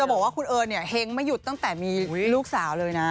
บอกว่าคุณเอิญเนี่ยเฮ้งไม่หยุดตั้งแต่มีลูกสาวเลยนะ